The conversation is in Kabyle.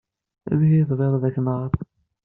Amek ay tebɣiḍ ad ak-neɣɣar?